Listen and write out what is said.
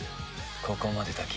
ここまでだ